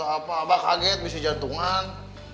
abah kaget bisa jantungan